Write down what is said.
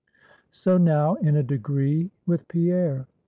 So now, in a degree, with Pierre.